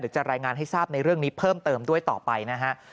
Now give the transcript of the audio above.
จะรายงานให้ทราบในเรื่องนี้เพิ่มเติมด้วยต่อไปนะฮะ